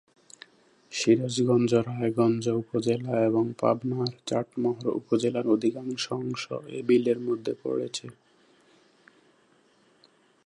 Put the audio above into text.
সিরাজগঞ্জ রায়গঞ্জ উপজেলা এবং পাবনার চাটমোহর উপজেলার অধিকাংশ অংশ এ বিলের মধ্যে পড়েছে।